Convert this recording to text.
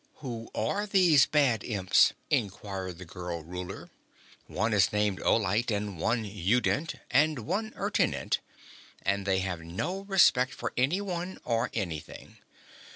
"Who are these bad Imps?" inquired the girl Ruler. "One is named Olite, and one Udent and one Ertinent, and they have no respect for anyone or anything.